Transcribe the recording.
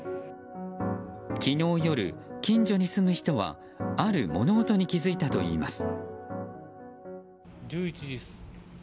昨日夜、近所に住む人はある物音に気付いたといいます。